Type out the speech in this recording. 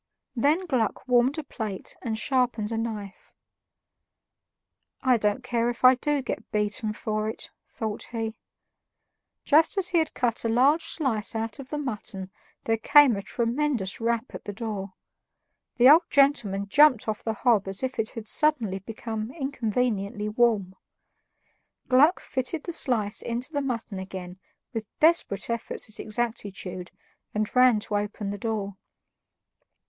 Then Gluck warmed a plate and sharpened a knife. "I don't care if I do get beaten for it," thought he. Just as he had cut a large slice out of the mutton there came a tremendous rap at the door. The old gentleman jumped off the hob as if it had suddenly become inconveniently warm. Gluck fitted the slice into the mutton again, with desperate efforts at exactitude, and ran to open the door.